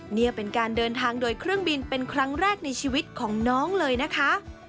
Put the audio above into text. นี่เป็นการเดินทางโดยเครื่องบินเป็นครั้งแรกในชีวิตของน้องเลยนะคะ